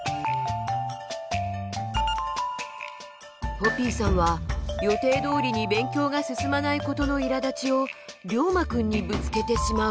ポピーさんは予定どおりに勉強が進まないことのいらだちをりょうまくんにぶつけてしまう。